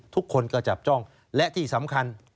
ทุกคนก็จับจ้องและที่สำคัญ